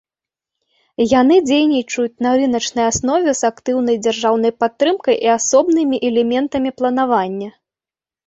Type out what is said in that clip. Яны дзейнічаюць на рыначнай аснове з актыўнай дзяржаўнай падтрымкай і асобнымі элементамі планавання.